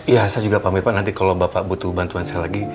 ya saya juga pamit pak nanti kalau bapak butuh bantuan saya lagi